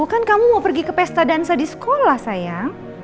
bukan kamu mau pergi ke pesta dansa di sekolah sayang